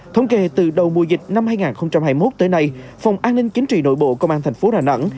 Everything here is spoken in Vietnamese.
thống kê từ đầu mùa dịch năm hai nghìn hai mươi một tới nay phòng an ninh chính trị nội bộ công an thành phố đà nẵng